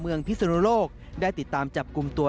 เมืองพิสุนโลกได้ติดตามจับกุมตัว